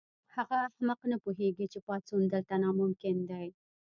هغه احمق نه پوهیږي چې پاڅون دلته ناممکن دی